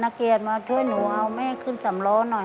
นักเกี๊ยจมาช่วยหนูเอาแม่ขึ้นตรวจสำร้อนหน่อย